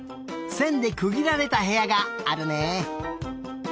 せんでくぎられたへやがあるね。